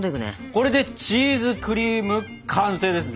これでチーズクリーム完成ですね！